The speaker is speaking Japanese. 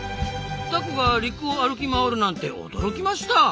タコが陸を歩き回るなんて驚きました！